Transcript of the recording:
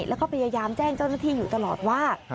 แล้วก็พยายามแจ้งเจ้าหน้าที่อยู่ตลอดว่า